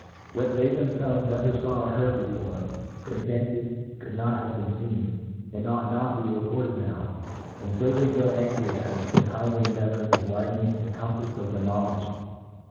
What they them * felves never faWj or heard of before, they fancy could not have been feen, and ought not to be Reported now j and fo they grow angry at us foi? kindly endeavouring to widen the compafs of their knbwledge.